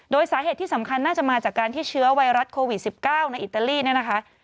โดยสาเหตุที่สำคัญน่าจะมาจากการที่เชื้อไวรัสโควิด๑๙ในอิตาลีเนี่ยนะคะ